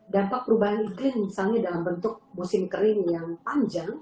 dampak perubahan iklim misalnya dalam bentuk musim kering yang panjang